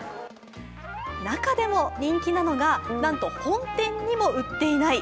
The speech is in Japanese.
中でも人気なのが、なんと本店にも売っていない